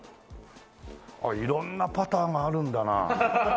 色んなパターがあるんだな。